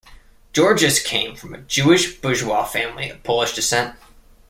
Georges came from a Jewish bourgeois family of Polish descent.